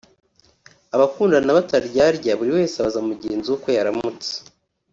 Abakundana bataryarya buri wese abaza mugenzi we uko yaramutse